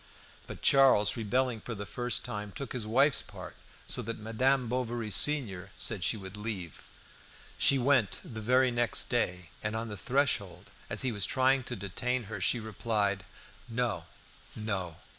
But Charles, rebelling for the first time, took his wife's part, so that Madame Bovary, senior, said she would leave. She went the very next day, and on the threshold, as he was trying to detain her, she replied "No, no!